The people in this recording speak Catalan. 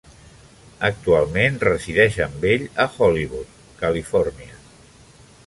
Actualment resideix amb ell a Hollywood, Califòrnia.